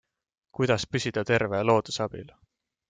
Kuidas püsida terve looduse abil?